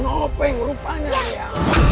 nopeng rupanya ya